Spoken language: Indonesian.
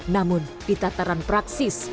namun di tataran praksis